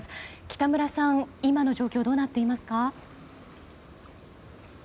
北村さん、今の状況どうなっていますか？